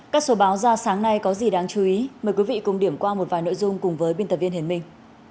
các số báo ra sáng nay có gì đáng chú ý mời quý vị cùng điểm qua một vài nội dung cùng với biên tập viên hiền minh